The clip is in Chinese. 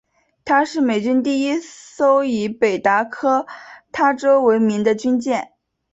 她是美军第一艘以北达科他州为名的军舰。